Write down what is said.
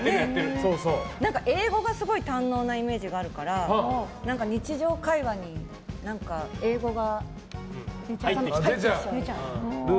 何か英語がすごい堪能なイメージがあるから日常会話に英語が出ちゃう。